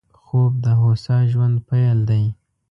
خوب د هوسا ژوند پيل دی